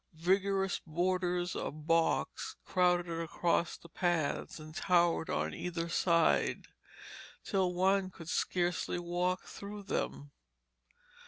Vigorous borders of box crowded across the paths and towered on either side, till one could scarcely walk through them.